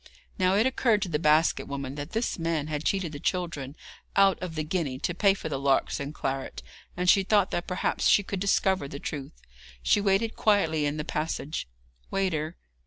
Now, it occurred to the basket woman that this man had cheated the children out of the guinea to pay for the larks and claret, and she thought that perhaps she could discover the truth. She waited quietly in the passage. 'Waiter!